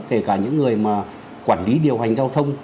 kể cả những người mà quản lý điều hành giao thông